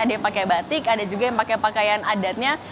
ada yang pakai batik ada juga yang pakai pakaian adatnya